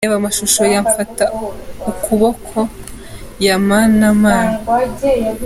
Reba amashusho ya ‘Mfata ukuboko’ ya Manamana .